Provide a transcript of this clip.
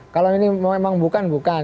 kalau ini memang bukan bukan